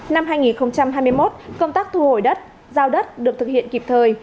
năm hai nghìn hai mươi một công tác thu hồi đất giao đất được thực hiện kịp thời